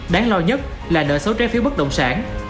đáng lo nhất là nợ xấu trái phiếu bất động sản